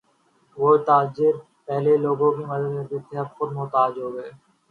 جو تاجر پہلے لوگوں کی مدد کرتے تھے وہ اب خود محتاج ہوگئے ہیں